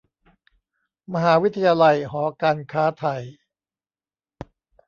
มหาวิทยาลัยหอการค้าไทย